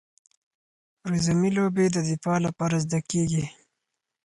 رزمي لوبې د دفاع لپاره زده کیږي.